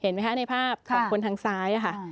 ไหมคะในภาพของคนทางซ้ายค่ะ